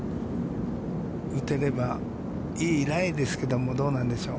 打てれば、いいライですけど、どうでしょう。